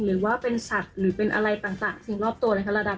หรือว่าเป็นสัตว์หรือเป็นอะไรต่างสิ่งรอบตัวนะคะ